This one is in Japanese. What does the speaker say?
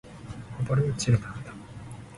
こぼれ落ちる涙